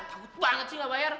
takut banget sih gak bayar